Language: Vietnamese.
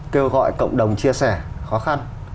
kêu gọi cộng đồng chia sẻ khó khăn